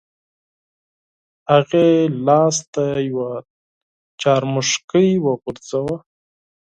هغې لاس ته یو څرمښکۍ وغورځاوه.